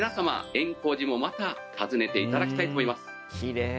圓光寺もまた訪ねていただきたいと思います」